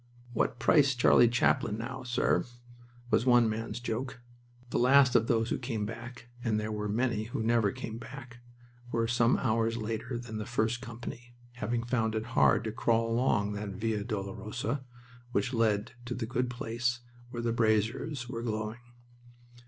"What price Charlie Chaplin now, sir?" was one man's joke. The last of those who came back and there were many who never came back were some hours later than the first company, having found it hard to crawl along that Via Dolorosa which led to the good place where the braziers were glowing.